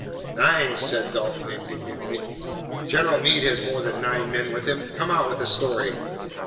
"Nine!" said Dalton indignantly. "General Meade has more than nine men with him! Come, out with the story!